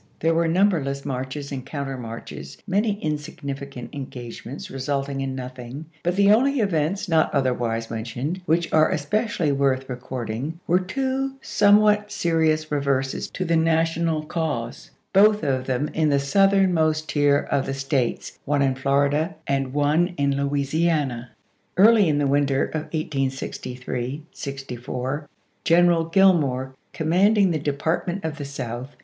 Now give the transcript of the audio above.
There were numberless marches and counter marches, many insignificant engagements result ing in nothing, but the only events, not otherwise mentioned, which are especially worth recording, were two somewhat serious reverses to the National cause, both of them in the southernmost tier of States, one in Florida, and one in Louisiana. Early in the winter of 1863 64 General Gill Giiimoreto •^_ Hallecb, more, commanding the Department of the South, i863?''